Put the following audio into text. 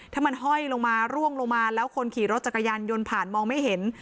ถ้ามันห้อยลงมาร่วงลงมาแล้วคนขี่รถจักรยานยนต์ผ่านมองไม่เห็น